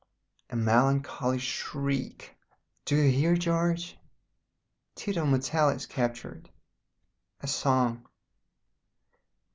... A melancholy shriek. Do you hear, George? Tito Mattel is captured. A song.